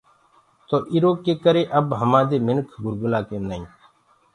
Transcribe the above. تو اِرو ڪري اب هماندي مِنکَ گُرگَلآ ڪيندآئينٚ۔